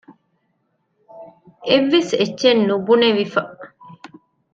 އެއްވެސް އެއްޗެއް ނުބުނެވިފަ